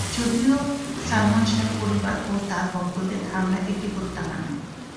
যদিও সালমান শাহ এর পরিবার ও তার ভক্তদের ধারণা এটা হত্যাকাণ্ড।